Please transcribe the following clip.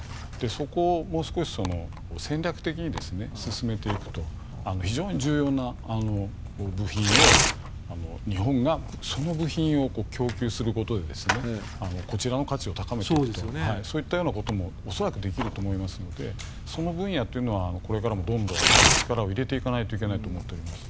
そこをもう少し戦略的に進めていくと非常に重要な部品を日本がその部品を供給することでこちらの価値を高めていくとそういったようなことも恐らくできると思いますのでその分野というのはこれからもどんどん力を入れていかないといけないと思います。